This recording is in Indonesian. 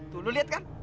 tuh lo liat kan